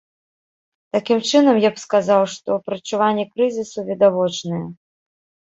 Такім чынам, я б сказаў, што прадчуванні крызісу відавочныя.